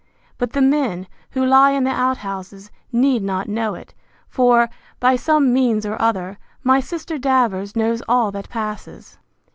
But the men, who lie in the outhouses, need not know it; for, by some means or other, my sister Davers knows all that passes.